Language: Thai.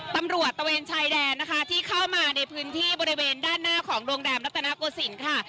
ตะเวนชายแดนนะคะที่เข้ามาในพื้นที่บริเวณด้านหน้าของโรงแรมรัตนโกศิลป์ค่ะ